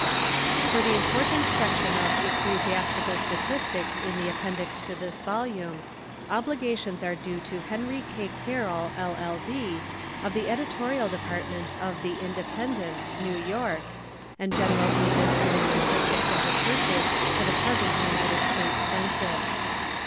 D. For the important section of Ecclesiastical Statistics in the Appendix to this volume, obligations are due to Henry K. Carroll, LL.D., of the editorial department of The Independent, New. York, and General Agent for the Statistics of the Churches for the present United States Census.